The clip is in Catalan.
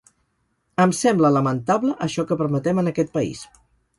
Em sembla lamentable això que permetem en aquest país.